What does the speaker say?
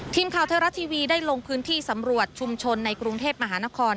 ทีมข่าวไทยรัฐทีวีได้ลงพื้นที่สำรวจชุมชนในกรุงเทพมหานคร